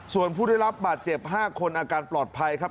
ส่วนผู้ได้รับบาดเจ็บ๕คนอาการปลอดภัยครับ